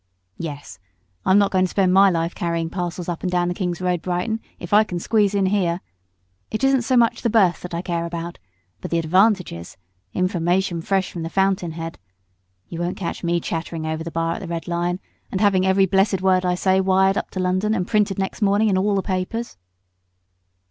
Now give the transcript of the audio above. "Yes. I'm not going to spend my life carrying parcels up and down the King's Road, Brighton, if I can squeeze in here. It isn't so much the berth that I care about, but the advantages, information fresh from the fountain head. You won't catch me chattering over the bar at the 'Red Lion' and having every blessed word I say wired up to London and printed next morning in all the papers."